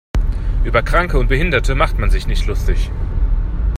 Über Kranke und Behinderte macht man sich nicht lustig.